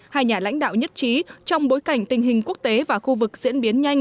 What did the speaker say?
hai nhà lãnh đạo nhất trí trong bối cảnh tình hình quốc tế và khu vực diễn biến nhanh